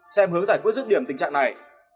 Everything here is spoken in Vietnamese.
xem hướng giải quyết dứt điểm tình trạng này